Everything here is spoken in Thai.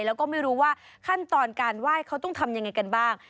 แล้วก็ไม่รู้ว่าขั้นตอนการไหว้เขาต้องทำยังไงกันบ้าง